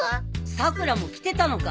さくらも来てたのか。